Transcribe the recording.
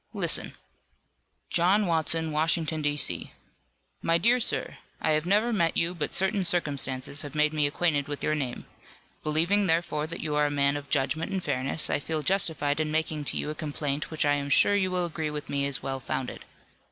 Listen." "John Watson, Washington, D. C. "My dear sir: I have never met you, but certain circumstances have made me acquainted with your name. Believing therefore that you are a man of judgment and fairness I feel justified in making to you a complaint which I am sure you will agree with me is well founded.